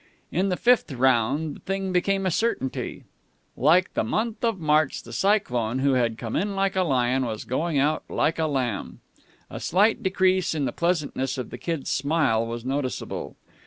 In the fifth round the thing became a certainty. Like the month of March, the Cyclone, who had come in like a lion, was going out like a lamb. A slight decrease in the pleasantness of the Kid's smile was noticeable.